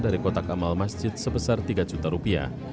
dari kotak amal masjid sebesar tiga juta rupiah